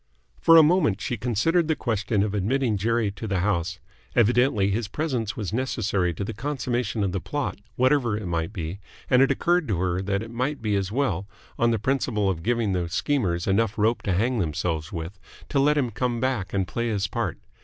For a moment she considered the question of admitting Jerry to the house. Evidently his presence was necessary to the consummation of the plot, whatever it might be, and it occurred to her that it might be as well, on the principle of giving the schemers enough rope to hang themselves with, to let him come back and play his part.